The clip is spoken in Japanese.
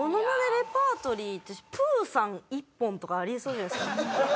レパートリーってプーさん一本とかあり得そうじゃないですか？